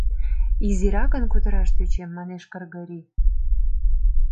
— Изиракын кутыраш тӧчем, — манеш Кыргорий.